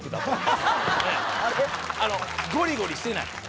ゴリゴリしてない。